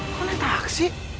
kok naik taksi